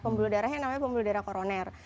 pembuluh darahnya namanya pembuluh darah koroner